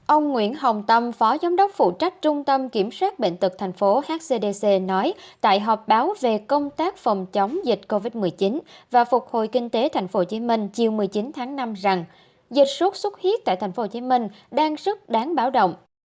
ông nguyễn hồng tâm phó giám đốc phụ trách trung tâm kiểm soát bệnh tật tp hcmc nói tại họp báo về công tác phòng chống dịch covid một mươi chín và phục hồi kinh tế tp hcm chiều một mươi chín tháng năm rằng dịch sốt xuất huyết tại tp hcm đang rất đáng báo động